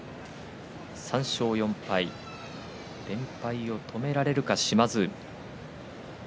３勝４敗連敗を止められるか島津海。